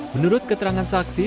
menurut keterangan saksi